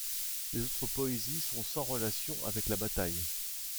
Les autres poésies sont sans relation avec la bataille.